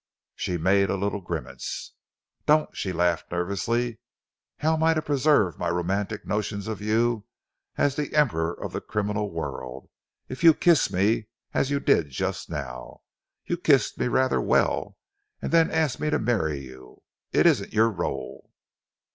She made a little grimace. "Don't!" she laughed nervously. "How am I to preserve my romantic notions of you as the emperor of the criminal world, if you kiss me as you did just now you kissed me rather well and then ask me to marry you? It isn't your role.